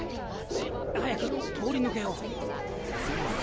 早く通り抜けよう。